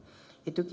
nah pak up nya